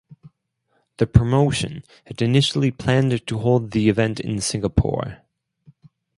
The promotion had initially planned to hold the event in Singapore.